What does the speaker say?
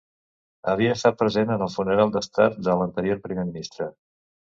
Havia estat present en el funeral d'estat de l'anterior Primer Ministre.